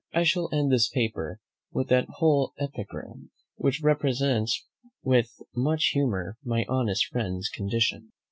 I shall end this paper with that whole epigram, which represents with much humour my honest friend's condition.